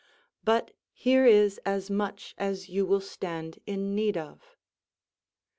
But here is as much as you will stand in need of.